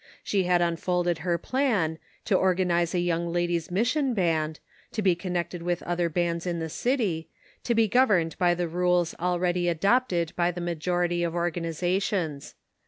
She had unfolded her plan, to organize a Young Ladies' Mission Band, to be connected with other bands in the city, to be governed by the rules already adopted by the majority of organ izations.